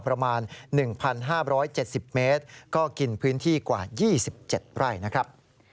ประมาณ๑๕๗๐เมตรก็กินพื้นที่กว่า๒๗ไร่นะครับ